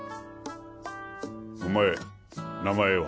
お前名前は？